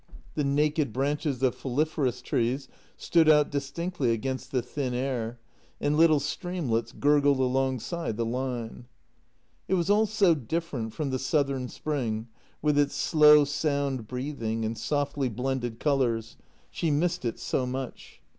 The naked branches of foliferous trees stood out dis tinctly against the thin air, and little streamlets gurgled along side the line. It was all so different from the southern spring, with its slow, sound breathing and softly blended colours — she missed it so much.